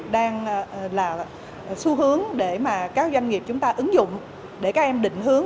đang là xu hướng để mà các doanh nghiệp chúng ta ứng dụng để các em định hướng